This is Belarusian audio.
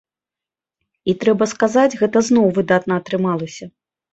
І трэба сказаць, гэта зноў выдатна атрымалася.